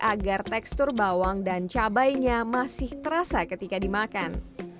agar tekstur bawang dan cabainya masih terasa ketika dimakan